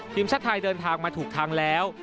ทีมชาติไทยเดินทางมาถูกทางแล้ว